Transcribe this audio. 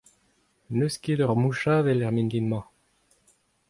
N'eus ket ur mouch avel er mintin-mañ.